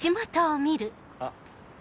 あっ。